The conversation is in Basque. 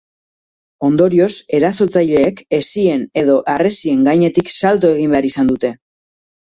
Ondorioz, erasotzaileek hesien edo harresien gainetik salto egin behar izan dute.